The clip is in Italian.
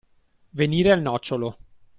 Venire al nocciolo.